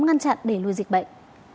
ngăn chặn để lùi dịch bệnh